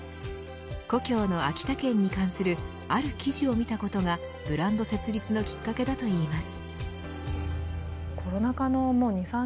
故郷の秋田県に関するある記事を見たことがブランド設立のきっかけだといいます。